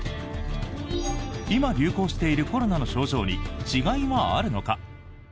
今、流行しているコロナの症状に違いはあるのか？